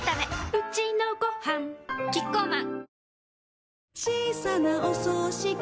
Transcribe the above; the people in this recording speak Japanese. うちのごはんキッコーマン